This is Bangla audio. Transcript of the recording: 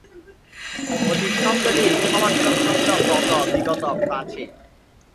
অতীত শব্দটির সমার্থক শব্দ গত, বিগত, প্রাচীন।